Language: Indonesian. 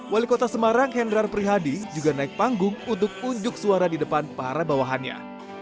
wali kota semarang hendrar prihadi juga naik panggung untuk unjuk suara di depan para bawahannya